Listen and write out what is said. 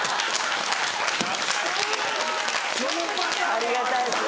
ありがたいです。